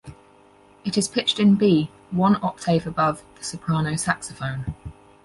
It is pitched in B, one octave above the soprano saxophone.